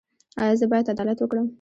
ایا زه باید عدالت وکړم؟